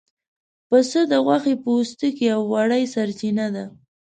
پسه د غوښې، پوستکي او وړۍ سرچینه ده.